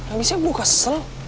abisnya gue kesel